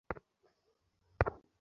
বাবুদের বাড়ি ছোটবাবুর খাতির কত।